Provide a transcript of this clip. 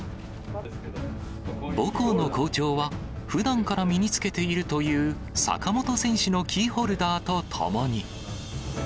母校の校長は、ふだんから身につけているという坂本選手のキーホルダーとともに。